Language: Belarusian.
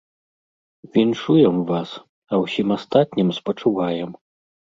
Віншуем вас, а ўсім астатнім спачуваем.